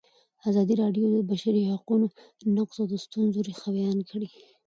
ازادي راډیو د د بشري حقونو نقض د ستونزو رېښه بیان کړې.